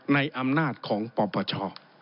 ในอำนาจของปปช